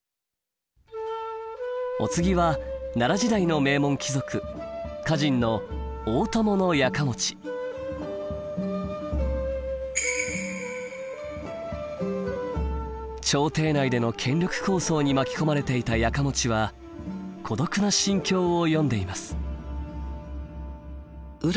お次は奈良時代の名門貴族歌人の朝廷内での権力抗争に巻き込まれていた家持は「孤独な心境」を詠んでいます。